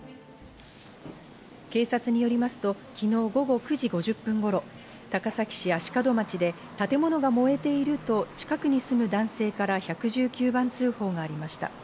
警察によりますと、昨日午後９時５０分頃、高崎市足門町で建物が燃えていると近くに住む男性から１１９番通報がありました。